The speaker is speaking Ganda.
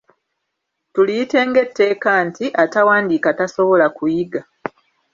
Tuliyite ng'etteeka nti: Atawandiika tasobola kuyiga.